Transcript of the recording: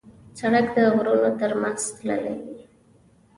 سړک د غرونو تر منځ تللی وي.